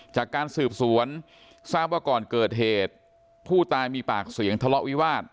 จากการสืบสวนทราบว่าก่อนเกิดเหตุผู้ตายมีปากเสียงทะเลาะวิวาส